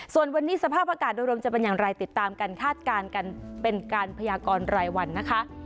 ส่วนวันนี้สภาพอากาศโดยรวมจะเป็นอย่างไรติดตามการคาดการณ์กันเป็นการพยากรรายวันนะคะ